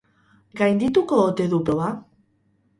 Gaindituko ote du proba?